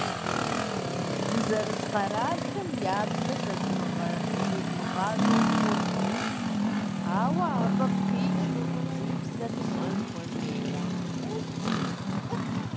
Дызэрыс къэралхэм я бзэр зэдмыгъащӏэу хъуркъым, ауэ абы къикӏкъым ди бзэр тщӏэн хуэмейуэ.